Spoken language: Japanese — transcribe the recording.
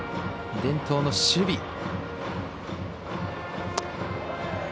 伝統の守備。